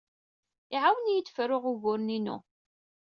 Iɛawen-iyi ad fruɣ uguren-inu.